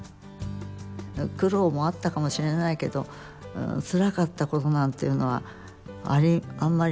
苦労もあったかもしれないけどつらかったことなんていうのはあんまりその思い出しませんですね